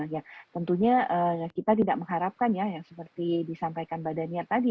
nah tentunya kita tidak mengharapkan ya seperti disampaikan badannya tadi